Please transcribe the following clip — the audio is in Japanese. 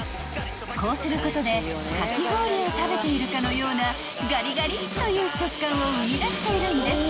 ［こうすることでかき氷を食べているかのようなガリガリッという食感を生み出しているんです］